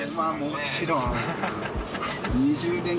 もちろん。